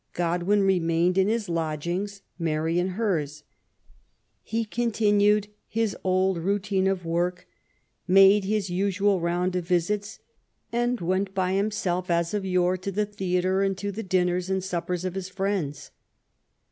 , Godwin remained in his lodgings, Mary in hers. He continued his old routine of work, made his usual round of visits, and went by himseU, as of yore, to the theatre, and to the dinners and suppers of his friends.